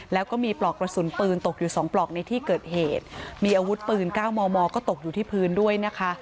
แล้วก็มีปลอกกระสุนปืนตกอยู่สองปลอกในที่เกิดเหตุมีอาวุธปืนเก้ามอมอก็ตกอยู่ที่พื้นด้วยนะคะ